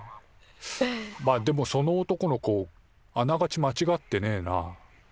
まっでもその男の子あながちまちがってねえな。